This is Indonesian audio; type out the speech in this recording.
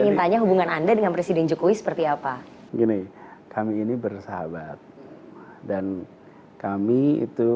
ingin tanya hubungan anda dengan presiden jokowi seperti apa gini kami ini bersahabat dan kami itu